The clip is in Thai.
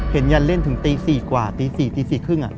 เห็นยันเล่นถึงตี๔กว่าตี๔๔๓๐อ่ะ